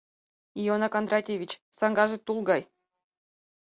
— Иона Кондратьевич, саҥгаже тул гай...